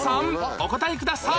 お答えください